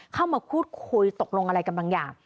เข้ามาพูดคุยตกลงอะไรกันบางอย่าง